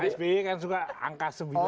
pak sby kan suka angka sembilan